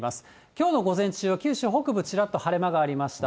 きょうの午前中は九州北部、ちらっと晴れ間がありました。